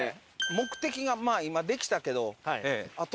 目的がまあ今できたけど。